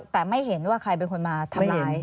แต่ไม่เห็นว่าใครเป็นคนมาทำร้าย